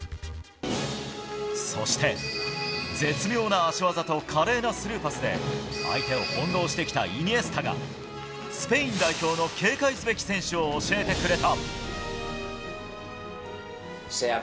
そして、絶妙な足技と華麗なスルーパスで相手を翻弄してきたイニエスタがスペイン代表の警戒すべき選手を教えてくれた。